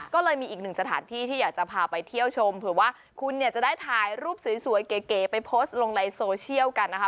ก็เลยมีอีกหนึ่งสถานที่ที่อยากจะพาไปเที่ยวชมเผื่อว่าคุณเนี่ยจะได้ถ่ายรูปสวยเก๋ไปโพสต์ลงในโซเชียลกันนะคะ